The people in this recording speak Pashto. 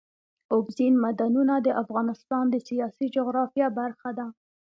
اوبزین معدنونه د افغانستان د سیاسي جغرافیه برخه ده.